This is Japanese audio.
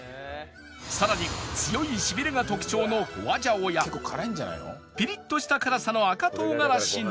さらに強いしびれが特徴の花椒やピリッとした辛さの赤唐辛子など